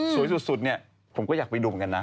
สวยสุดเนี่ยผมก็อยากไปดูเหมือนกันนะ